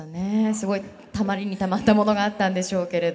すごいたまりにたまったものがあったんでしょうけれど。